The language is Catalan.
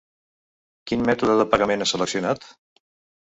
Quin mètode de pagament ha sel·leccionat?